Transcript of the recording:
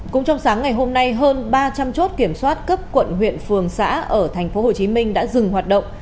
cũng trong sáng ngày hôm nay hơn ba trăm linh chốt kiểm soát cấp quận huyện phường xã ở tp hcm đã dừng hoạt động